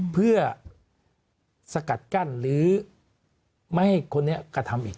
เพื่อสกัดกั้นหรือไม่ให้คนนี้กระทำอีก